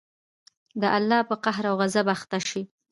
د الله په قهر او غصب اخته شئ.